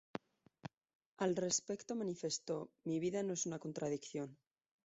Al respecto manifestó: "Mi vida no es una contradicción.